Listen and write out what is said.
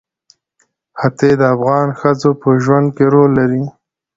ښتې د افغان ښځو په ژوند کې رول لري.